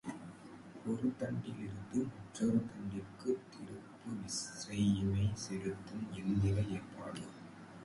ஒரு தண்டிலிருந்து மற்றொரு தண்டிற்குத் திருப்பு விசையினைச் செலுத்தும் எந்திர ஏற்பாடு.